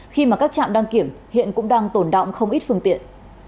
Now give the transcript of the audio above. khi mà các trạm đăng kiểm hiện cũng đang tồn động không ít phương tiện